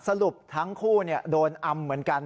สรุปทั้งคู่โดนอำเหมือนกัน